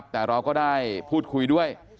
แต่เราก็ได้พูดคุยด้วย